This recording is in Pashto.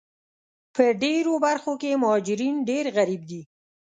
په ډېرو برخو کې مهاجرین ډېر غریب دي